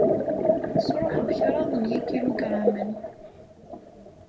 Sruḥeɣ kraḍ n yikilugramen.